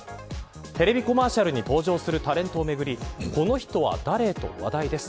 テレビコマーシャルに登場するタレントをめぐりこの人は誰と話題です。